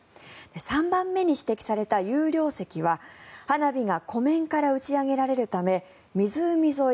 ３番目に指摘された有料席は花火が湖面から打ち上げられるため湖沿い